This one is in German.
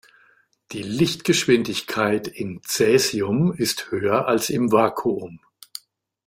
Die Lichtgeschwindigkeit in Cäsium ist höher als im Vakuum.